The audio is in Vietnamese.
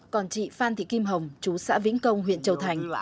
còn chị phan thị kim hồng chú xã vĩnh công huyện châu thành